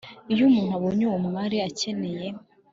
iyo umuntu abonye uwo yari akeneye